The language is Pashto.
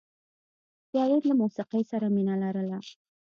جاوید له موسیقۍ سره مینه لرله